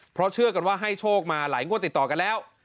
เพราะเชื่อกันว่าให้โชคมาหลายงวดติดต่อกันแล้ว